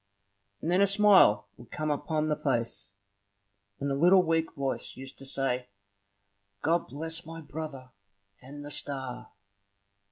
and then a smile would come upon the face, and a little weak voice used to say, "God bless my brother and the star!"